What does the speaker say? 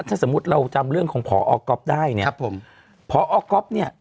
ถ้าสมมุติเราจำเรื่องของพอก๊อฟได้เนี่ยครับผมพอก๊อฟเนี่ย